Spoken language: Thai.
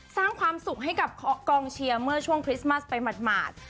สร้างความสุขให้กับกองเชียร์เมื่อช่วงคริสต์มัสไปหมาด